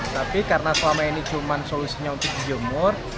tapi karena selama ini cuma solusinya untuk tujuh umur